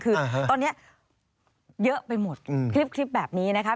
คือตอนนี้เยอะไปหมดคลิปแบบนี้นะคะ